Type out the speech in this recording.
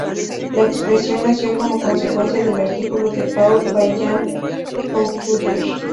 La expresión nació como consecuencia del artículo de Paul Vaillant-Couturier.